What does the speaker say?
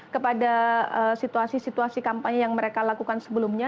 kepada situasi situasi kampanye yang mereka lakukan sebelumnya